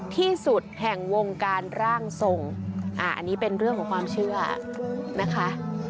ที่สุดแห่งวงการร่างทรงอันนี้เป็นเรื่องของความเชื่อนะคะ